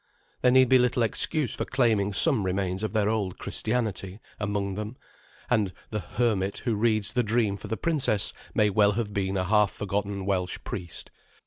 There need be little excuse for claiming some remains of their old Christianity among them, and the "hermit" who reads the dream for the princess may well have been a half forgotten Welsh priest.